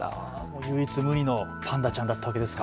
唯一無二のパンダちゃんだったわけですか。